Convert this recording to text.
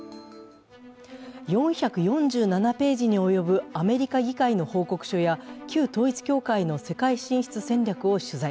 ４４７ページに及ぶアメリカ議会の報告書や旧統一教会の世界進出戦略を取材。